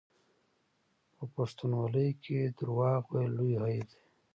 په پښتونولۍ کې دروغ ویل لوی عیب دی.